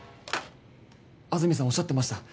安住さんおっしゃってました